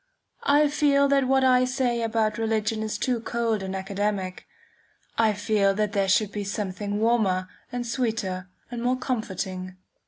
I feel that what I say about religion is too cold and academic. I feel that there should be something warmer and sweeter and more comforting.